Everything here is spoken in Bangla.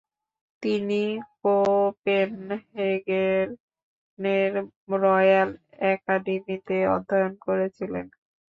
তিনি কোপেনহেগেনের রয়াল অ্যাকাডেমিতে অধ্যয়ন করছিলেন।